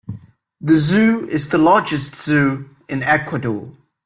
The zoo is the largest zoo in Ecuador.